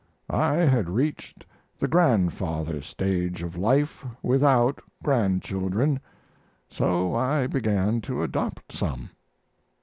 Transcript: I had reached the grandfather stage of life without grandchildren, so I began to adopt some."